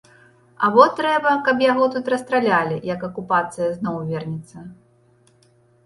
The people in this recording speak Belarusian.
Або трэба, каб яго тут расстралялі, як акупацыя зноў вернецца?